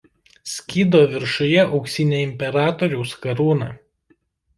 Skydo viršuje auksinė imperatoriaus karūna.